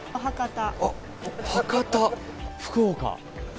あっ、博多、福岡？